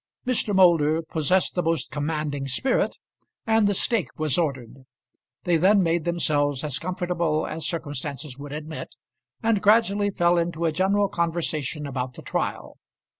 Mr. Moulder possessed the most commanding spirit, and the steak was ordered. They then made themselves as comfortable as circumstances would admit, and gradually fell into a general conversation about the trial.